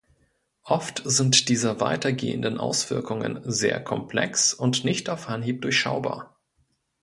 Oft sind diese weitergehenden Auswirkungen sehr komplex und nicht auf Anhieb durchschaubar.